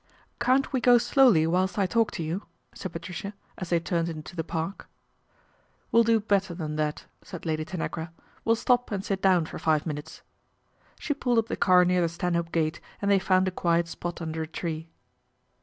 " Can't we go slowly whilst I talk to you," said Patricia, as they turned into the Park. " We'll do better than that," said Lady Tanagra, " we'll stop and sit down for five minutes." She pulled up the car near the Stanhope Gate and they found a quiet spot under a tree.